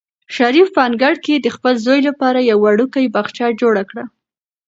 شریف په انګړ کې د خپل زوی لپاره یو وړوکی باغچه جوړه کړه.